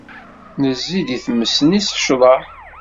Nezzi-d i tmes-nni s ccḍeḥ.